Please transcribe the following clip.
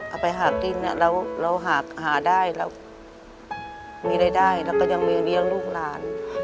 เอาไปหาพื้นเราหาได้มีรายได้และยังมีเรียงลูกหลาน